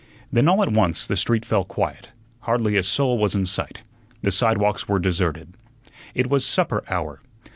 Then all at once the street fell quiet; hardly a soul was in sight; the sidewalks were deserted. It was supper hour.